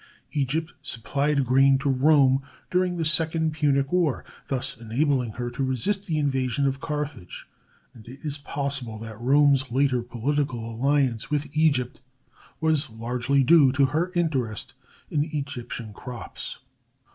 Egypt supplied grain to Rome during the second Punic war, thus enabling her to resist the invasion of Carthage, and it is possible that Rome's later political alliance with Egypt was largely due to her interest in Egyptian crops.